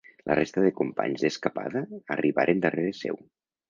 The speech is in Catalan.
La resta de companys d'escapada arribaren darrere seu.